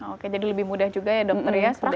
oke jadi lebih mudah juga ya dokter ya